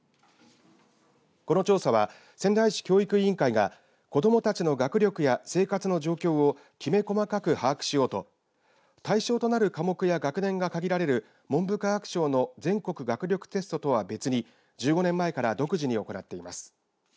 この調査は仙台市教育委員会が子どもたちの学力や生活の状況をきめ細かく把握しようと対象となる科目や学年がかぎられる文部科学省の全国学力テストとは別に１５年前から独自に行っています。